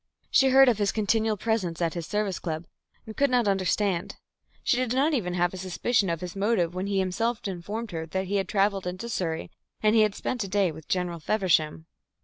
She heard of his continual presence at his Service Club, and could not understand. She did not even have a suspicion of his motive when he himself informed her that he had travelled into Surrey and had spent a day with General Feversham.